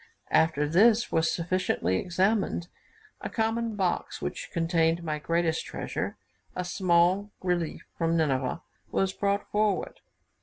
After this was sufficiently examined, a common box, which contained my greatest treasure, a small relief from Nineveh, was brought forward.